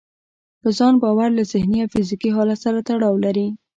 په ځان باور له ذهني او فزيکي حالت سره تړاو لري.